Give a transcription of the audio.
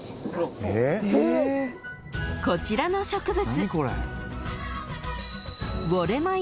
［こちらの植物］